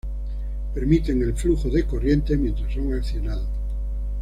Permiten el flujo de corriente mientras son accionados.